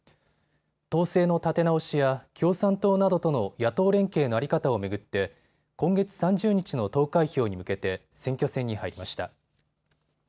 党勢の立て直しや共産党などとの野党連携の在り方を巡って今月３０日の投開票に向けて選挙戦に入りました。